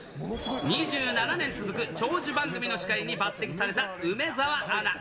２７年続く長寿番組の司会に抜てきされた梅澤アナ。